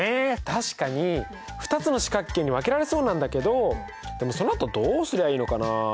確かに２つの四角形に分けられそうなんだけどでもそのあとどうすりゃいいのかな？